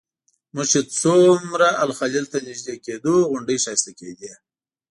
موږ چې څومره الخلیل ته نږدې کېدو غونډۍ ښایسته کېدې.